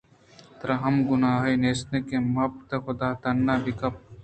ترا ہم گناہے نیست کہ مپت ءِ حُدا تہا بہ کپے